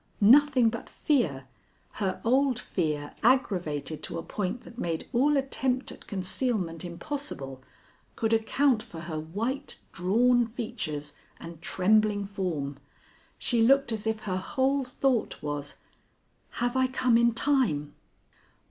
Nothing but fear her old fear aggravated to a point that made all attempt at concealment impossible could account for her white, drawn features and trembling form. She looked as if her whole thought was, "Have I come in time?"